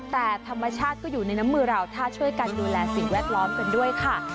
แต่ธรรมชาติก็อยู่ในน้ำมือเราถ้าช่วยกันดูแลสิ่งแวดล้อมกันด้วยค่ะ